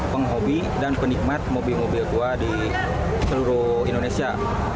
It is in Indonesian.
penghobi dan penikmat mobil mobil tua di seluruh indonesia